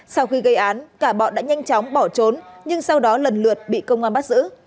sau khi gây án cả bọn đã nhanh chóng bỏ trốn nhưng sau đó lần lượt bị công an bắt giữ